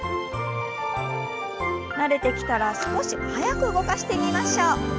慣れてきたら少し速く動かしてみましょう。